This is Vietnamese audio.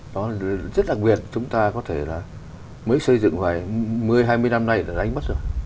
đó là rất đặc biệt chúng ta có thể là mới xây dựng vài một mươi hai mươi năm nay đã đánh mất rồi